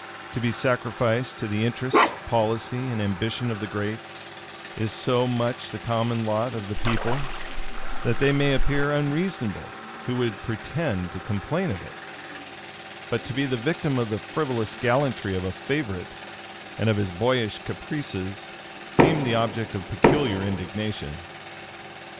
To be sacrificed to the interest, policy, and ambition of the great, is so much the common lot of the people, that they may appear unreasonable who would pretend to complain of it: but to be the victim of the frivolous gallantry of a favorite, and of his boyish caprices, seemed the object of peculiar indignation.